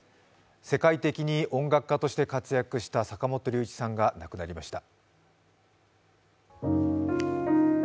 世界的に音楽家として活躍した坂本龍一さんが亡くなりました。